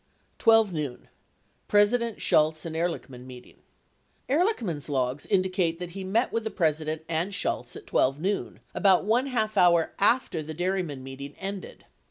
12 NOON PRESIDENT, SJIUETZ AND EHRLICHMAN MEETING Ehrlichman's logs indicate that he met with the President and Shultz at 12 noon, about one half hour after the dairymen meeting ended.